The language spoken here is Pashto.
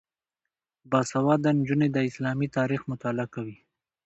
باسواده نجونې د اسلامي تاریخ مطالعه کوي.